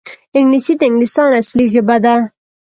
انګلیسي د انګلستان اصلي ژبه ده